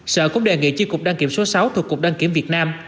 sở cũng đề nghị chi cục đăng kiểm số sáu thuộc cục đăng kiểm việt nam